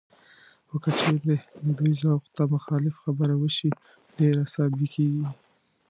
خو که چېرې د دوی ذوق ته مخالف خبره وشي، ډېر عصبي کېږي